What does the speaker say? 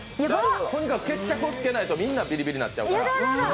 とにかく決着をつけないとみんなビリビリになっちゃうから。